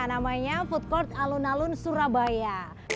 namanya food court alun alun surabaya